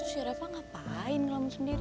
terus si rafa ngapain ngelamun sendiri